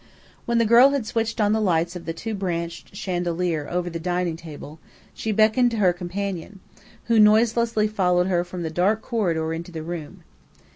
When the girl had switched on the lights of the two branched chandelier over the dining table she beckoned to her companion, who noiselessly followed her from the dark corridor into the room.